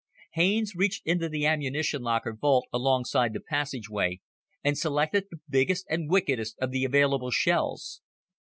Haines reached into the ammunition locker vault alongside the passageway and selected the biggest and wickedest of the available shells.